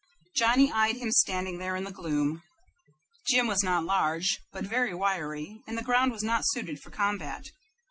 Johnny eyed him standing there in the gloom. Jim was not large, but very wiry, and the ground was not suited for combat.